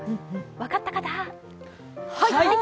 分かった方？